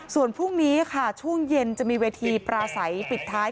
ส่วนพรุ่งนี้ค่ะช่วงเย็นจะมีเวทีปราศัยปิดท้าย